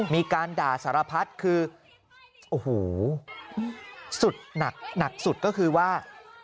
มีการด่าสารพัดคือโอ้โหสุดหนักสุดก็คือว่า